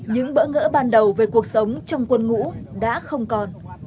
những bỡ ngỡ ban đầu về cuộc sống trong quân ngũ đã không còn